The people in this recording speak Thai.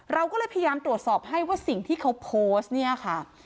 เราก็เลยพยายามตรวจสอบให้ว่าสิ่งที่เขาโพสต์เนี่ยค่ะ